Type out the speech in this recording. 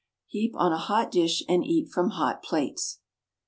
Heap on a hot dish, and eat from hot plates.